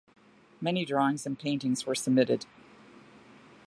Many drawings and paintings were submitted.